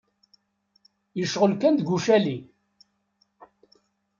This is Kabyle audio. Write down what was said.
Yecɣel kan d ucali.